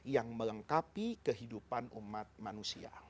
yang melengkapi kehidupan umat manusia